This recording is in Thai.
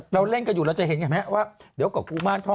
เราเล่นกันอยู่เราจะเห็นไหมว่าเดี๋ยวก่อนกลับกลุ่มม่านท่อง